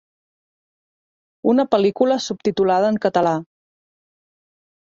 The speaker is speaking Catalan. Una pel·lícula subtitulada en català.